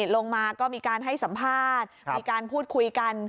ลงมาก็มีการให้สัมภาษณ์มีการพูดคุยกัน